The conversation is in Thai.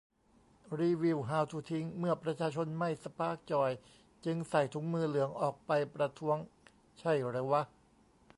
รีวิว ฮาวทูทิ้ง : เมื่อประชาชนไม่ สปาร์คจอย จึงใส่ถุงมือเหลืองออกไปประท้วง ใช่เหรอวะ